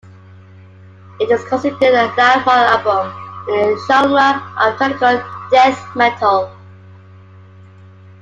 It is considered a landmark album in the genre of technical death metal.